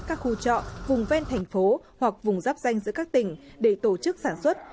các khu trọ vùng ven thành phố hoặc vùng giáp danh giữa các tỉnh để tổ chức sản xuất